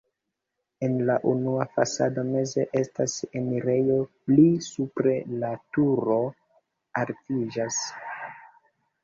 En la unua fasado meze estas enirejo, pli supre la turo altiĝas.